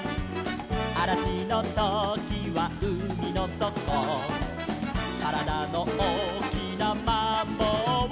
「あらしのときはうみのそこ」「からだのおおきなマンボウを」